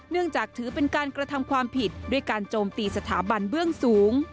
จากถือเป็นการกระทำความผิดด้วยการโจมตีสถาบันเบื้องสูง